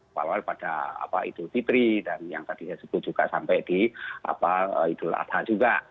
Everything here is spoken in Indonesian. awal awal pada apa itu ditri dan yang tadi saya sebut juga sampai di apa itu adha juga